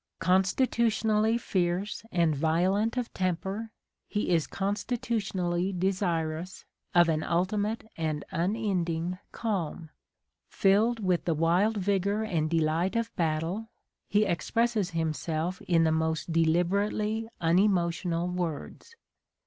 Constitutionally fierce and violent of temper, he is constitutionally desirous of an ultimate and unending calm : filled with the wild vigour and delight of battle, he expresses himself in the most deliberately unemotional words.